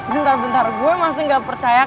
bentar bentar gue masih gak percaya